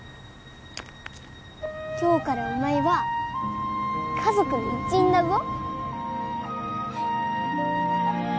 今日からお前は家族の一員だぞ。